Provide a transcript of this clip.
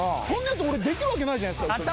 そんなやつ俺できるわけないじゃないですか。